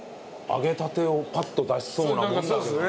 揚げたてをパッと出しそうなものだけどね。